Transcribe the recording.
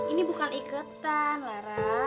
ini bukan iketan lara